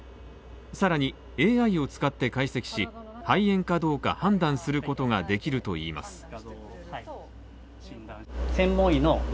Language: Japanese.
さらに、ＡＩを使って解析し、肺炎かどうか判断することができるといいます。